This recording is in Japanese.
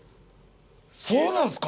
そうなんですか？